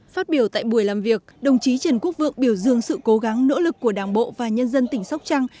phát biểu tại buổi làm việc đồng chí trần quốc vượng biểu dương sự cố gắng nỗ lực của đảng bộ và nhân dân tỉnh sóc trăng